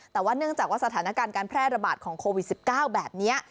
แต่ว่าเนื่องจากว่าสถานการณ์การแพร่ระบาดของโควิด๑๙แบบนี้